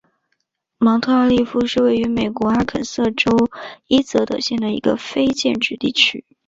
芒特奥利夫是位于美国阿肯色州伊泽德县的一个非建制地区。